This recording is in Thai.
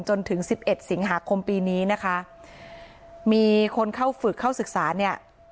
จนถึงสิบเอ็ดสิงหาคมปีนี้นะคะมีคนเข้าฝึกเข้าศึกษาเนี่ย